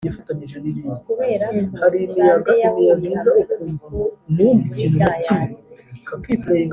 kuberako, sunday yahuye, hamwe numukungugu muri gants yanjye,